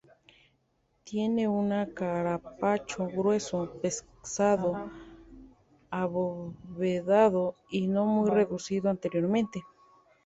Tiene una carapacho grueso, pesado, abovedado, y no muy reducido anteriormente.